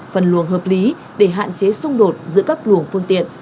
phân luồng hợp lý để hạn chế xung đột giữa các luồng phương tiện